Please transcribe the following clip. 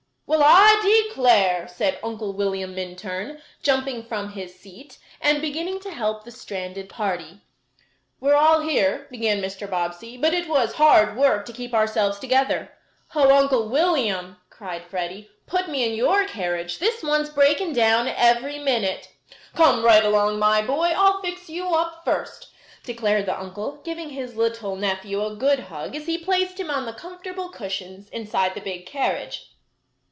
"Well, I declare," said Uncle William Minturn, jumping front his seat, and beginning to help the stranded party. "We are all here," began Mr. Bobbsey, "but it was hard work to keep ourselves together." "Oh, Uncle William," cried Freddie, "put me in your carriage. This one is breakin' down every minute." "Come right along, my boy. I'll fix you up first," declared the uncle, giving his little nephew a good hug as he placed him on the comfortable cushions inside the big carriage.